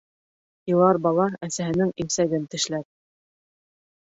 Илар бала әсәһенең имсәген тешләр.